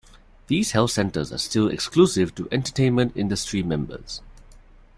These health centers are still exclusive to entertainment industry members.